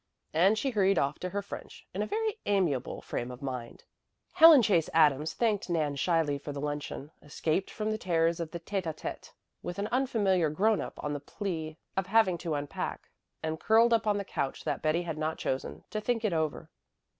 And she hurried off to her French in a very amiable frame of mind. Helen Chase Adams thanked Nan shyly for the luncheon, escaped from the terrors of a tête à tête with an unfamiliar grown up on the plea of having to unpack, and curled up on the couch that Betty had not chosen, to think it over.